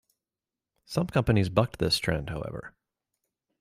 Some companies bucked this trend, however.